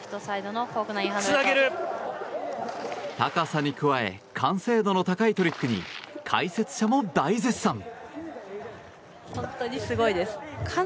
高さに加え完成度の高いトリックに解説者も大絶賛！